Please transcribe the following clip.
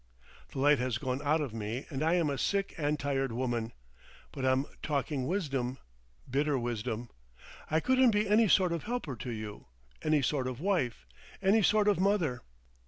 "The light has gone out of me and I am a sick and tired woman. But I'm talking wisdom—bitter wisdom. I couldn't be any sort of helper to you, any sort of wife, any sort of mother.